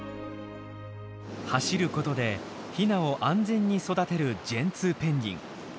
走ることでヒナを安全に育てるジェンツーペンギン。